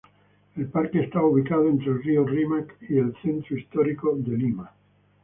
El parque está ubicado entre el río Rímac y el centro histórico de Lima.